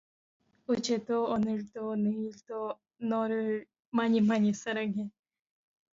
어제도 오늘도 내일도 너를 많이 많이 사랑해.